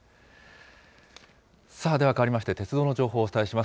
さあ、ではかわりまして、鉄道の情報をお伝えします。